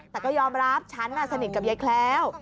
แต่ก็ยอมรับฉันสนิทกับยายแคล้ว